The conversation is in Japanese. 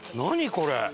これ。